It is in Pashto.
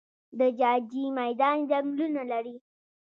د جاجي میدان ځنګلونه لري